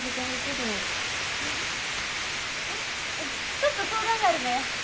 ちょっと相談があるのや。